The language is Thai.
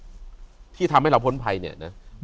อยู่ที่แม่ศรีวิรัยิลครับ